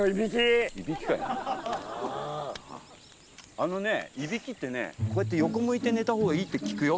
あのねいびきってねこうやって横向いて寝たほうがいいって聞くよ。